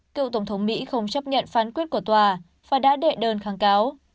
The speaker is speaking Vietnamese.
cựu tổng thống mỹ không chấp nhận phán quyết của tòa và đã đệ đơn kháng cáo